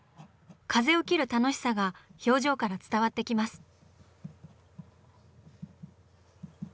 風を切る楽しさが表情から伝わってきます。